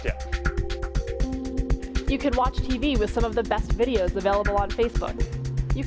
anda dapat menonton tv dengan beberapa video terbaik yang ada di facebook